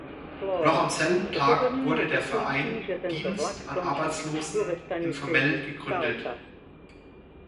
Noch am selben Tag wurde der „Verein Dienst an Arbeitslosen“ informell gegründet.